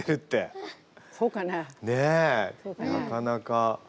なかなか。